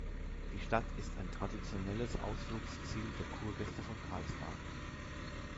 Die Stadt ist ein traditionelles Ausflugsziel der Kurgäste von Karlsbad.